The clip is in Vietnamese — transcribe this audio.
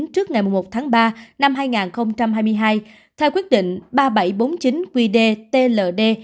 trước ngày một tháng ba năm hai nghìn hai mươi hai theo quyết định ba nghìn bảy trăm bốn mươi chín qd tld